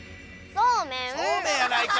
そうめんやないか！